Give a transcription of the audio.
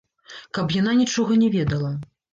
Каб яна нічога не ведала.